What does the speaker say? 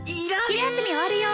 昼休み終わるよ。